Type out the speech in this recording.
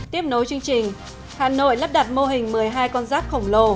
tiếp nối chương trình hà nội lắp đặt mô hình một mươi hai con rác khổng lồ